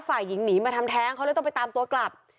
ฝ่ายหญิงหนีมาทำแท้งเขาเลยต้องไปตามตัวกลับ